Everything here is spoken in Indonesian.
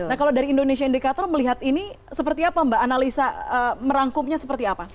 nah kalau dari indonesia indikator melihat ini seperti apa mbak analisa merangkumnya seperti apa